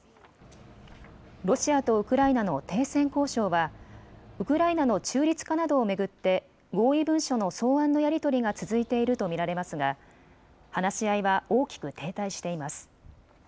ロシアとウクライナの停戦交渉はウクライナの中立化などを巡って合意文書の草案のやり取りが続いていると見られますが話し合いは大きく停滞しています。